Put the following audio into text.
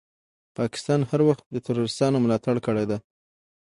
پاکستان هر وخت دي تروريستانو ملاتړ کړی ده.